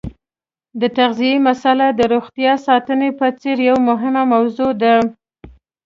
د تغذیې مساله د روغتیا ساتنې په څېر یوه مهمه موضوع ده.